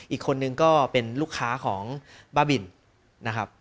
อีกคนนึงก็เป็นลูกค้าของบ้าบินนะครับ